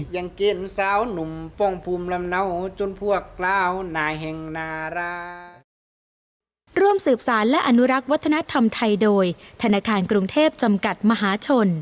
ยังเกลียดสาวหนุ่มป้องภูมิลำเนาจนพวกเรานายแห่งนารา